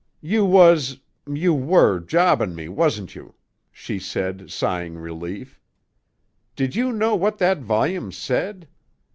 "You was you were jobbin' me, wasn't you?" she said, sighing relief. "Did you know what that volume said?